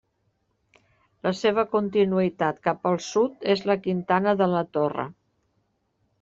La seva continuïtat cap al sud és la Quintana de la Torre.